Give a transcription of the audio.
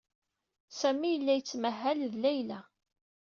Sami yella yettmahal ed Layla.